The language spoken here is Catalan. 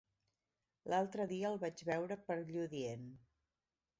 L'altre dia el vaig veure per Lludient.